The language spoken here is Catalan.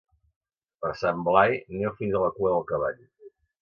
Per Sant Blai neu fins a la cua del cavall.